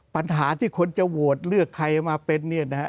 ปัญหาที่คนจะโวทย์เลือกใครมาเป็น